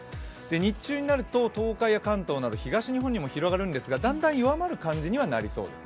日中になると東海や関東など東日本にも広がるんですが、だんだん弱まる感じにはなりそうです。